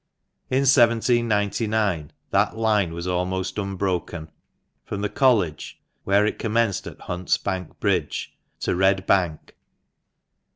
In 1799 that line was almost unbroken, from the College (where it commenced at Hunt's Bank Bridge) to Red Bank.